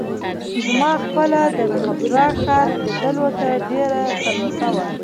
زما خپله د پېټرا ښار لیدلو ته ډېره تلوسه وه.